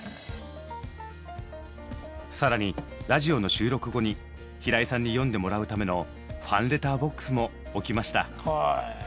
更にラジオの収録後に平井さんに読んでもらうためのファンレターボックスも置きました。